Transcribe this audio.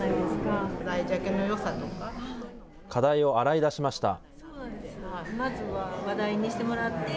課題を洗い出しました。